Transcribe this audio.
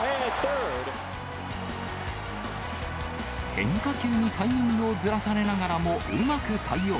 変化球にタイミングをずらされながらも、うまく対応。